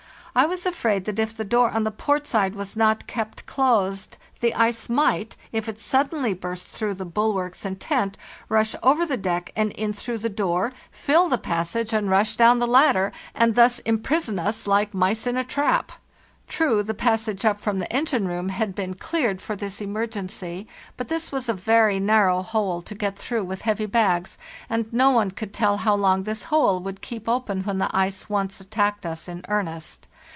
I was afraid that if the door on the port side was not kept closed the ice might, if it suddenly burst through the bulwarks and tent, rush over the deck and in through the door, fill the passage and rush down the THE NEW YEAR, 1595 CWE ladder, and thus imprison us like mice in a trap. True, the passage up from the engine room had been cleared for this emergency, but this was a very narrow hole to get through with heavy bags, and no one could tell how long this hole would keep open when the ice once attacked us in earnest.